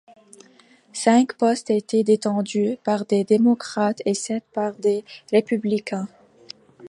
Cinq postes étaient détenus par des démocrates et sept par des républicains.